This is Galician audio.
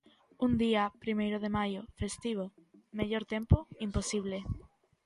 Un día primeiro de maio, festivo, mellor tempo imposible.